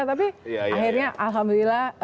tapi akhirnya alhamdulillah